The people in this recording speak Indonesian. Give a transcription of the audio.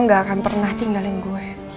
nino gak akan pernah tinggalin aku